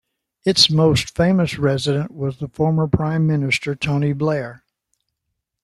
Its most famous resident was the former Prime Minister, Tony Blair.